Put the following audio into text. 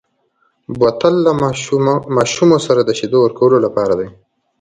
بوتل له ماشومو سره د شیدو ورکولو لپاره دی.